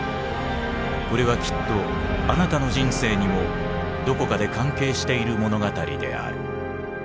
これはきっとあなたの人生にもどこかで関係している物語である。